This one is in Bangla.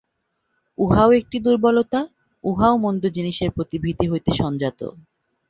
উহাও একটি দুর্বলতা, উহাও মন্দ জিনিষের প্রতি ভীতি হইতে সঞ্জাত।